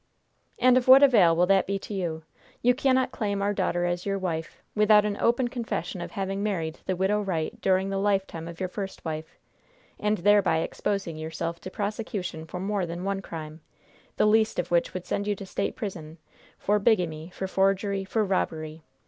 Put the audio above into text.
"And of what avail will that be to you? You cannot claim our daughter as your wife without an open confession of having married the Widow Wright during the lifetime of your first wife, and thereby exposing yourself to prosecution for more than one crime, the least of which would send you to State prison for bigamy, for forgery, for robbery.